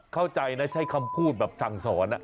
เข้าใจนะใช้คำพูดแบบสั่งสอน